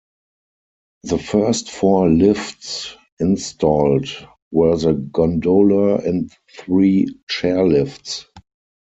The first four lifts installed were the gondola and three chairlifts.